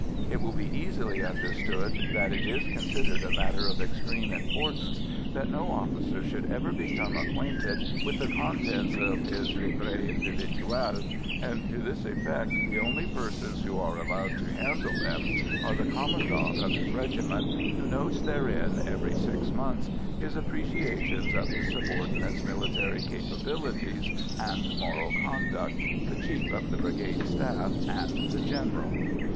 It will be easily understood that it is considered a matter of extreme importance that no officer should ever become acquainted with the contents of his livret individuel, and to this effect the only persons who are allowed to handle them are the commandant of his regiment, who notes therein every six months his appreciations of his subordinate's military capabilities and moral conduct, the Chief of the Brigade Staff and the General.